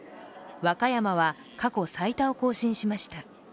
和歌山は、過去最多を更新しました。